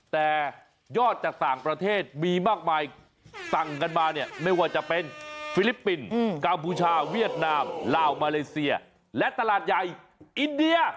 แต่ยอดจากต่างประเทศมีมากมายสั่งกันมาเนี่ยไม่ว่าจะเป็นฟิลิปปินส์กัมพูชาเวียดนามลาวมาเลเซียและตลาดใหญ่อินเดีย